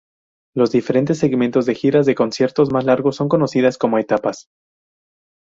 Los diferentes segmentos de giras de conciertos más largos son conocidas como "etapas".